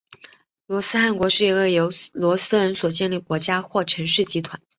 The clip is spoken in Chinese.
罗斯汗国是一个由罗斯人所建立的国家或城市集团。